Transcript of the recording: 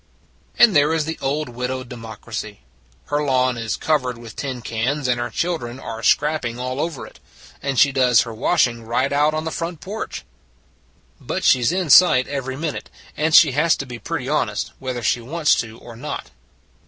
And there is the Old Widow Democ racy. Her lawn is covered with tin cans, and the children are scrapping all over it, and she does her washing right out on the front porch. But she s in sight every minute, and she has to be pretty honest, whether she wants to or not.